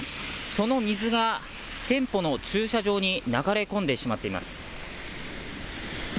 その水が店舗の駐車場に流れ込んでしまっています。